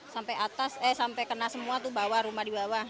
sampai kena semua tuh rumah di bawah